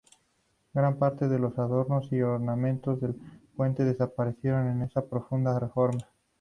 Gran parte de los adornos y ornamentos del puente desaparecieron en esta profunda reforma.